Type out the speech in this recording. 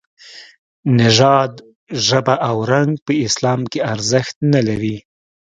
نژاد، ژبه او رنګ په اسلام کې ارزښت نه لري.